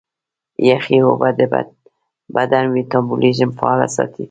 یخي اوبه د بدن میتابولیزم فعاله ساتي.